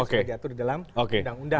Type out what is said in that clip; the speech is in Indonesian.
sudah diatur di dalam undang undang